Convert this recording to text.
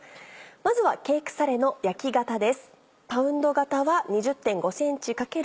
まずはケークサレの焼き型です。